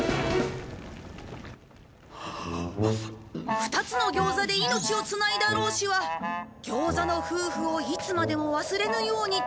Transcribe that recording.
２つの餃子で命をつないだ老師は餃子の夫婦をいつまでも忘れぬようにと。